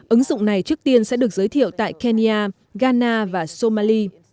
ứng dụng này trước tiên sẽ được giới thiệu tại kenya ghana và somali